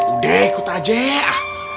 udah ikut aja